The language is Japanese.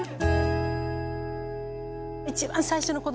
一番最初のえ！